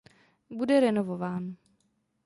Bude renovován.